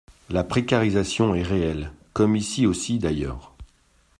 La précarisation est réelle, comme ici aussi d’ailleurs.